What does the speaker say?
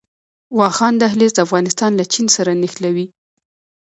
واخان دهلیز افغانستان له چین سره نښلوي